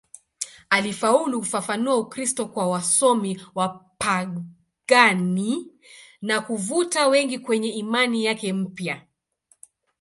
Alifaulu kufafanua Ukristo kwa wasomi wapagani na kuvuta wengi kwenye imani yake mpya.